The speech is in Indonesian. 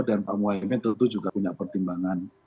dan pak muwaimah tentu juga punya pertimbangan